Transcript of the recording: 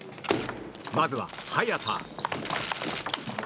まずは早田。